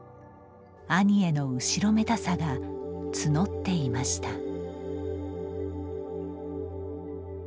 兄への後ろめたさが募っていました。